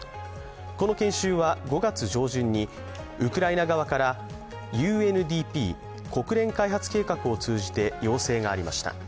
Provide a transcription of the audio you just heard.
この研修は５月上旬にウクライナ側からＵＮＤＰ＝国連開発計画を通じて要請がありました。